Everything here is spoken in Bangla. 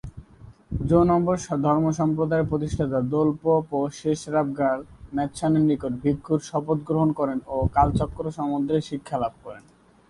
জো-নম্বর ধর্মসম্প্রদায়ের প্রতিষ্ঠাতা দোল-পো-পা-শেস-রাব-র্গ্যাল-ম্ত্শানের নিকট ভিক্ষুর শপথ গ্রহণ করেন ও কালচক্র সম্বন্ধে শিক্ষালাভ করেন।